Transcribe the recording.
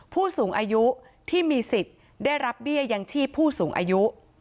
ผู้สูงอายุที่มีสิทธิ์ได้รับเบี้ยยังชีพผู้สูงอายุ